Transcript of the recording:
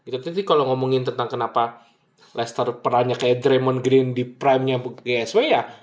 tentu kalau ngomongin tentang kenapa leicester perannya kayak dremont green di primenya gsw ya